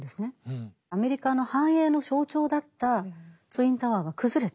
アメリカの繁栄の象徴だったツインタワーが崩れた。